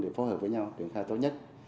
để phối hợp với nhau triển khai tốt nhất